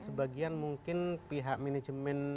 sebagian mungkin pihak manajemen